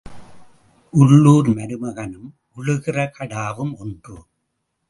உள்ளூர் மருமகனும் உழுகிற கடாவும் ஒன்று.